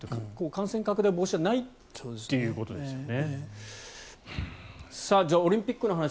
感染拡大防止じゃないっていうことですよね。